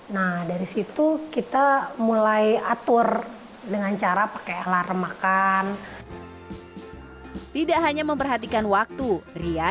nah dari situ kita mulai atur dengan cara pakai alarm makan tidak hanya memperhatikan waktu ria